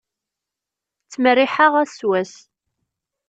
Ttmerriḥeɣ ass s wass.